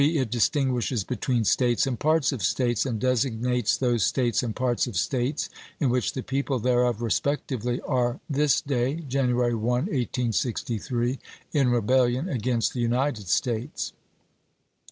It distinguishes between States and parts of States, and designates those States and parts of States " in which the people thereof, respectively, are this day (January 1, 1863) in rebellion against the United States."